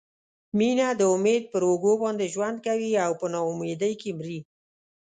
مینه د امید پر اوږو باندې ژوند کوي او په نا امیدۍ کې مري.